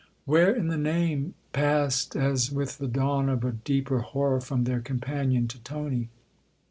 " Where in the name ?" passed, as with the dawn of a deeper horror, from their companion to Tony.